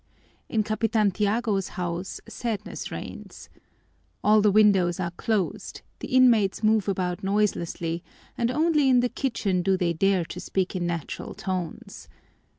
In Capitan Tiago's house sadness reigns. All the windows are closed, the inmates move about noiselessly, and only in the kitchen do they dare to speak in natural tones.